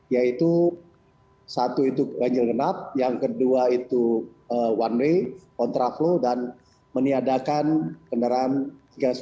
yaitu satu itu ganjil genap yang kedua itu one way kontra flow dan meniadakan kendaraan tiga sepeda